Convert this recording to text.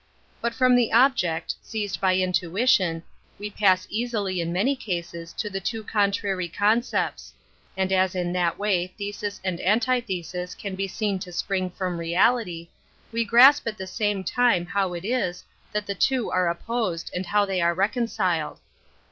But from the object, seized by intuition, we pass easily in many cases to the two contrary concepts j and as in that way thesis and antithesis can be seen to spring from reality, we grasp at the same time how it is that the two a: opposed and how they are reconciled.